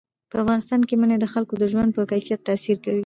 په افغانستان کې منی د خلکو د ژوند په کیفیت تاثیر کوي.